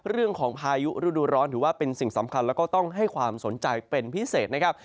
พายุฤดูร้อนถือว่าเป็นสิ่งสำคัญแล้วก็ต้องให้ความสนใจเป็นพิเศษนะครับ